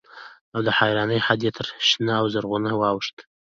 او د حيرانۍ حد يې تر شنه او زرغونه واوښت.